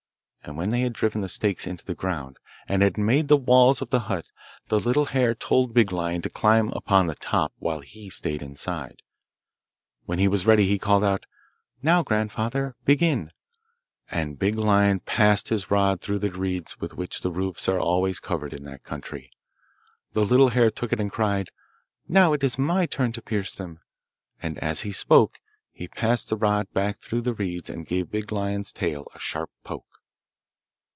And when they had driven the stakes into the ground, and had made the walls of the hut, the little hare told Big Lion to climb upon the top while he stayed inside. When he was ready he called out, 'Now, grandfather, begin,' and Big Lion passed his rod through the reeds with which the roofs are always covered in that country. The little hare took it and cried, 'Now it is my turn to pierce them,' and as he spoke he passed the rod back through the reeds and gave Big Lion's tail a sharp poke.